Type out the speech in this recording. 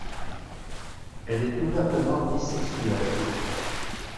Elle est ouvertement bisexuelle.